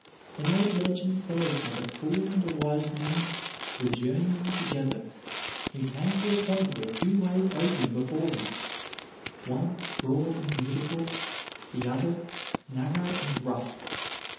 An old legend says that a fool and a wise man were journeying together, and came to a point where two ways opened before them, one broad and beautiful, the other narrow and rough.